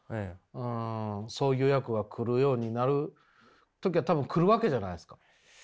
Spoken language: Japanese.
そういう役が来るようになる時が多分来るわけじゃないですか。